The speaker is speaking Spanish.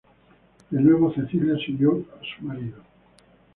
De nuevo, Cecilia siguió a su marido.